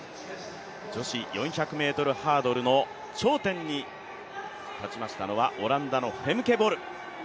女子４００ｍハードルの頂点に立ちましたのはオランダのフェムケ・ボル。